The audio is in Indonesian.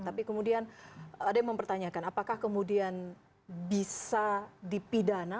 tapi kemudian ada yang mempertanyakan apakah kemudian bisa dipidana